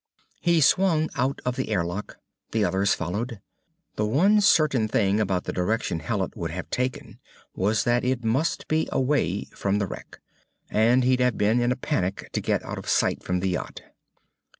He swung out of the airlock. The others followed. The one certain thing about the direction Hallet would have taken was that it must be away from the wreck. And he'd have been in a panic to get out of sight from the yacht.